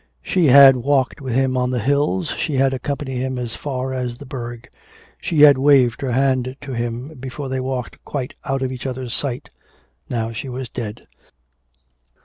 She had walked with him on the hills, she had accompanied him as far as the burgh; she had waved her hand to him before they walked quite out of each other's sight. Now she was dead.